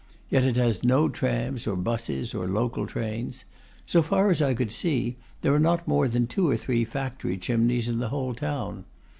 Yet it has no trams or buses or local trains. So far as I could see, there are not more than two or three factory chimneys in the whole town.